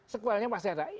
sequelnya masih ada